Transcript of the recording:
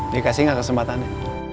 dikasih gak kesempatannya